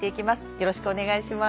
よろしくお願いします。